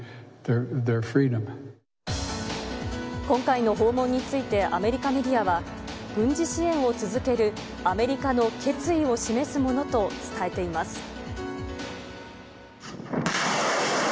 今回の訪問について、アメリカメディアは、軍事支援を続けるアメリカの決意を示すものと伝えています。